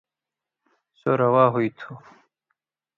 سو روا ہُوئ تھُو۔